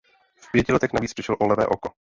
V pěti letech navíc přišel o levé oko.